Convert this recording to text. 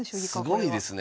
すごいですね。